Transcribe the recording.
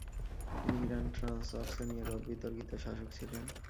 তিনি ইরান ও ট্রান্সঅক্সানিয়ার অবিতর্কিত শাসক ছিলেন।